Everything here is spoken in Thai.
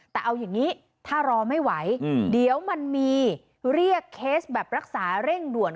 แต่เอาอย่างนี้ถ้ารอไม่ไหวเดี๋ยวมันมีเรียกเคสแบบรักษาเร่งด่วน